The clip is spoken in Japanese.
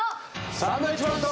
サンドウィッチマンと。